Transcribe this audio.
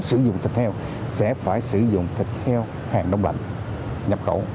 sử dụng thịt heo sẽ phải sử dụng thịt heo hàng đông lạnh nhập khẩu